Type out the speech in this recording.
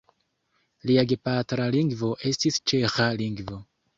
Lia gepatra lingvo estis ĉeĥa lingvo.